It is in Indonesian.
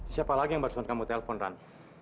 siapa lagi yang berson kamu telepon ran